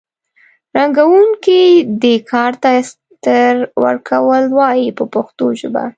رنګوونکي دې کار ته استر ورکول وایي په پښتو ژبه.